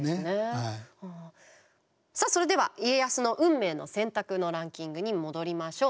さあそれでは家康の運命の選択のランキングに戻りましょう。